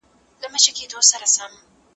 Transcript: همدا اوس خپل کتابونه په کڅوړه کې واچوه.